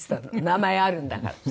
名前があるんだから。